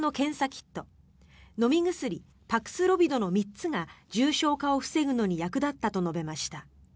キット飲み薬パクスロビドの３つが重症化を防ぐのに役立ったと述べました。